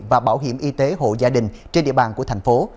và bảo hiểm y tế hộ gia đình trên địa bàn của thành phố